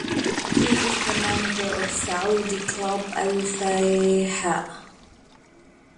He is the manager of Saudi club Al-Fayha.